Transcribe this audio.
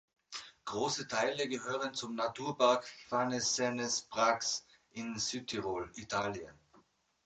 Große Teile gehören zum Naturpark Fanes-Sennes-Prags in Südtirol, Italien.